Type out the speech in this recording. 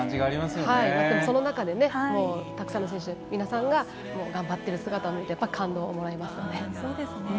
でも、その中でたくさんの選手の皆さんが頑張っている姿を見て感動をもらいますね。